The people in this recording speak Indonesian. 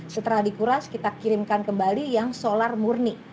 setelah dikuras kita kirimkan kembali yang solar murni